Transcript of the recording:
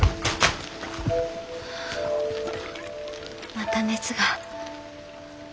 また熱が。